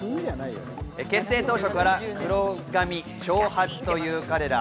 結成当初から黒髪、長髪という彼ら。